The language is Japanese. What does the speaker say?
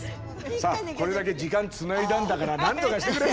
さあこれだけ時間つないだんだからなんとかしてくれ！